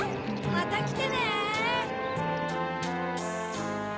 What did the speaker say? またきてね！